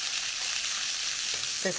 先生